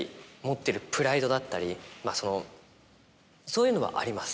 まぁそのそういうのはあります。